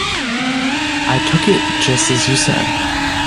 I took it just as you said.